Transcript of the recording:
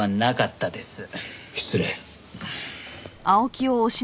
失礼。